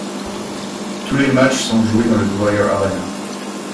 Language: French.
Tous les matchs sont joués dans le Dwyer Arena.